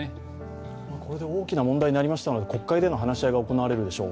これで大きな問題になりましたので国会でも話し合われるでしょう。